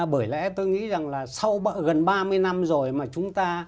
bởi lẽ tôi nghĩ rằng là sau gần ba mươi năm rồi mà chúng ta